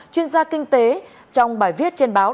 chuyên gia kinh tế trong bài viết trên báo